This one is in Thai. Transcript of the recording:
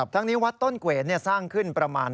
ทั้งนี้วัดต้นเกวนสร้างขึ้นประมาณ